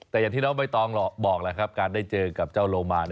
แต่อย่างที่น้องใบตองบอกแหละครับการได้เจอกับเจ้าโลมาน